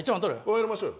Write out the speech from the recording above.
やりましょうよ。